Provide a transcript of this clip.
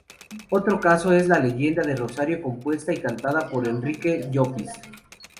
Otro caso es La leyenda de Rosario, compuesta y cantada por Enrique Llopis.